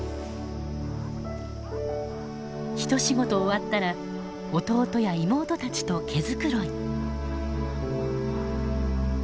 一仕事終わったら弟や妹たちと毛繕い。